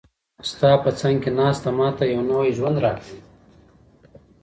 ستا په څنګ کې ناسته، ما ته یو نوی ژوند راکوي.